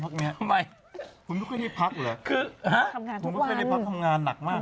ผมไม่ได้มาพักทำงานหนักมาก